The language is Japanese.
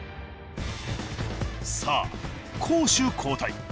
さあ攻守交代。